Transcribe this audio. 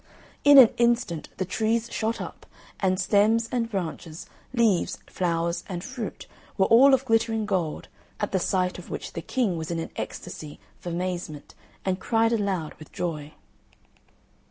In an instant the trees shot up, and stems and branches, leaves, flowers, and fruit were all of glittering gold at the sight of which the King was in an ecstasy of amazement, and cried aloud with joy.